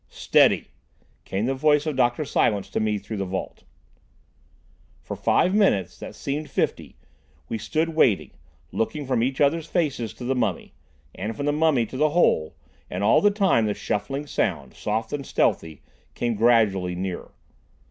"Steady!" came the voice of Dr. Silence to me through the vault. For five minutes, that seemed fifty, we stood waiting, looking from each other's faces to the mummy, and from the mummy to the hole, and all the time the shuffling sound, soft and stealthy, came gradually nearer.